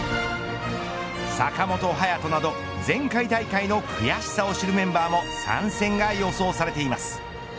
坂本勇人など前回大会の悔しさを知るメンバーも参戦が予想されています。